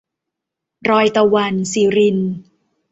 รอยตะวัน - สิริณ